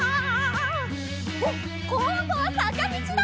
おっこんどはさかみちだ！